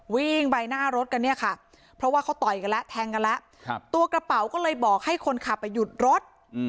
วิ่งไปหน้ารถกันเนี่ยค่ะเพราะว่าเขาต่อยกันแล้วแทงกันแล้วตัวกระเป๋าก็เลยบอกให้คนขับไปหยุดรถ